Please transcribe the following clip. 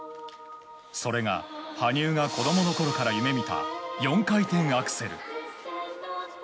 それが、羽生が子供のころから夢見た４回転アクセル。